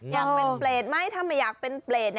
อยากเป็นเปรตไหมถ้าไม่อยากเป็นเปรต